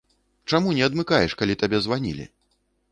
Чаму не адмыкаеш, калі табе званілі?